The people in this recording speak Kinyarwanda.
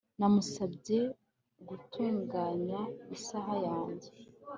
namusabye gutunganya isaha yanjye